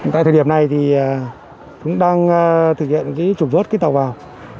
tại thời điểm này chúng tôi đang thực hiện trục vớt tàu vào